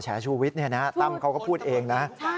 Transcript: ชูวิทย์ตั้มเขาก็พูดเองนะ